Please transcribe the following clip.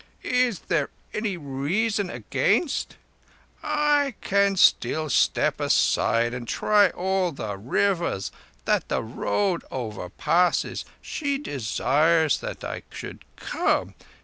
"Is there any reason against? I can still step aside and try all the rivers that the road overpasses. She desires that I should come.